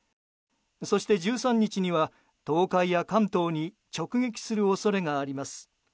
そして、１３日には東海や関東に直撃する恐れがあります。